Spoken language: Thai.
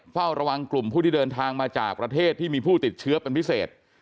เฝ้าระวังกลุ่มผู้ที่เดินทางมาจากประเทศที่มีผู้ติดเชื้อเป็นพิเศษ